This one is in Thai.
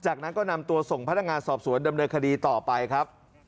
จากนั้นก็นำตัวส่งพนักงานสอบสวนดำเนินคดีต่อไปครับ